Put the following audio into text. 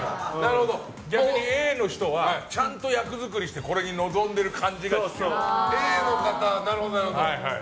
逆にＡの人はちゃんと役作りしてこれに臨んでいる感じがする。